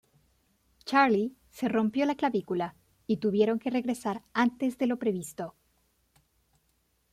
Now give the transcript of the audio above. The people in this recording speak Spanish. Charley se rompió la clavícula y tuvieron que regresar antes de lo previsto.